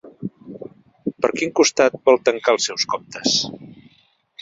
Per quin costat vol tancar els seus comptes?